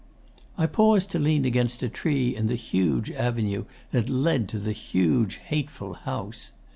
'I paused to lean against a tree in the huge avenue that led to the huge hateful house.